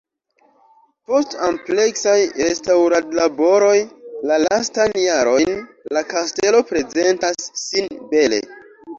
Post ampleksaj restaŭradlaboroj la lastajn jarojn la kastelo prezentas sin bele.